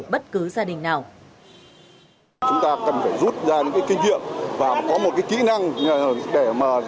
bất cứ gia đình nào chúng ta cần phải rút ra những kinh nghiệm và có một cái kỹ năng để mà